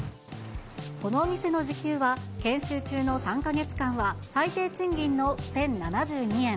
このお店の時給は、研修中の３か月間は最低賃金の１０７２円。